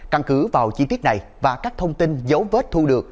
căn cứ vào chi tiết này và các thông tin dấu vết thu được